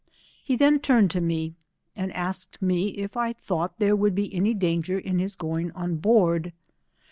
He then turned to me, and asked me if I thought there would be any danger in his going on board.